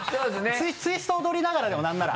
ツイスト踊りながらでもなんなら。